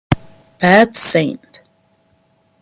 Bad Saint